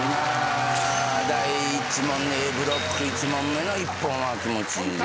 第１問でＡブロック１問目の一本は気持ちいいですよね。